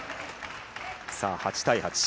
さあ８対８。